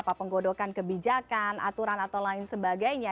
apa penggodokan kebijakan aturan atau lain sebagainya